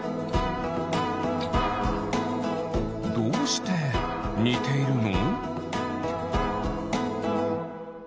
どうしてにているの？